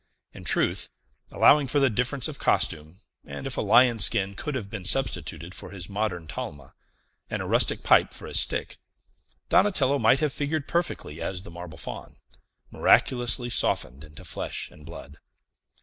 In truth, allowing for the difference of costume, and if a lion's skin could have been substituted for his modern talma, and a rustic pipe for his stick, Donatello might have figured perfectly as the marble Faun, miraculously softened into flesh and blood.